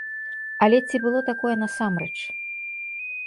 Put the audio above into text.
Але ці было такое насамрэч?